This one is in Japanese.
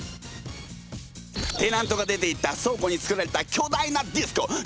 テナントが出ていった倉庫につくられた巨大なディスコ。